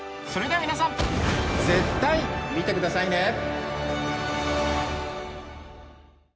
それでは皆さん絶対見てくださいね！